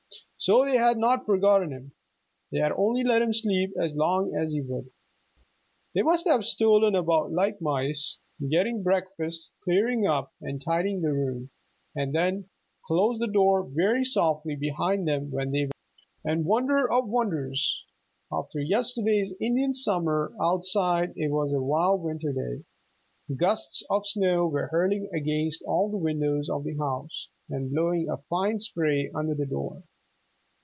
So they had not forgotten him. They had only let him sleep as long as he would. They must have stolen about like mice, getting breakfast, clearing up, and tidying the room; and then closed the door very softly behind them when they went out. And wonder of wonders! After yesterday's Indian Summer, outside it was a wild winter day. Gusts of snow were hurling against all the windows of the house, and blowing a fine spray under the door.